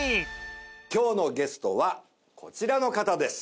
今日のゲストはこちらの方です。